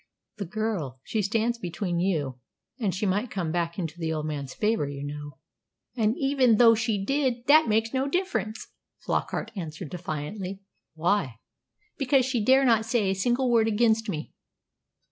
"The girl. She stands between you, and she might come back into the old man's favour, you know." "And even though she did, that makes no difference," Flockart answered defiantly. "Why?" "Because she dare not say a single word against me."